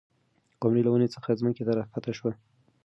قمري له ونې څخه ځمکې ته راښکته شوه.